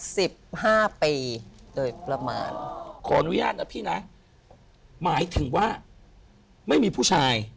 สิบห้าปีโดยประมาณขออนุญาตนะพี่นะหมายถึงว่าไม่มีผู้ชาย